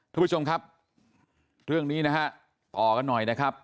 ทุกผู้ชมครับเรื่องนี้นะฮะต่อกันหน่อยนะครับ